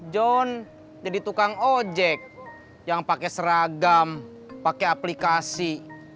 jom jadi tukang ojek jangan pakai seragam pakai aplikasi